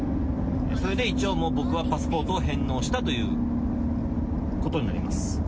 それで一応、もう僕はパスポートを返納したということになります。